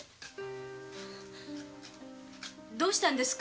どうしたんです？